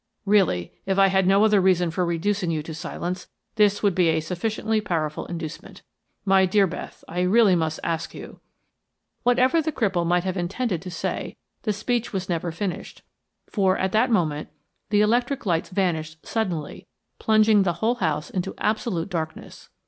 Really, if I had no other reason for reducing you to silence, this would be a sufficiently powerful inducement. My dear Beth, I really must ask you " Whatever the cripple might have intended to say, the speech was never finished; for, at that moment, the electric lights vanished suddenly, plunging the whole house into absolute darkness.